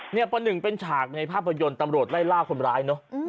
เนี้ยประหนึ่งเป็นฉากในภาพยนต์ตำรวจได้ล่าคนร้ายเนอะอืม